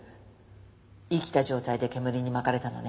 生きた状態で煙に巻かれたのね。